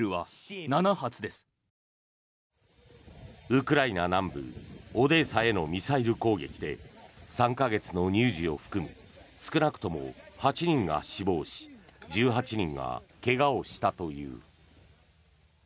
ウクライナ南部オデーサへのミサイル攻撃で３か月の乳児を含む少なくとも８人が死亡し１８人が怪我をしたという。